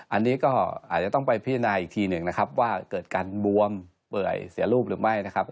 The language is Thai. อันนี้ก็อาจจะต้องไปพิจารณาอีกทีหนึ่งนะครับว่าเกิดการบวมเปื่อยเสียรูปหรือไม่นะครับ